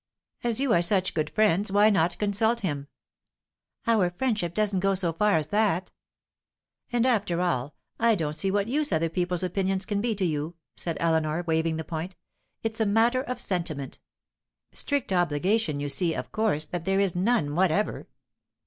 As you are such good friends, why not consult him?" "Our friendship doesn't go so far as that." "And after all, I don't see what use other people's opinions can be to you," said Eleanor, waiving the point. "It's a matter of sentiment. Strict obligation you see, of course, that there is none whatever.